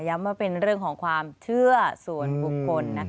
ว่าเป็นเรื่องของความเชื่อส่วนบุคคล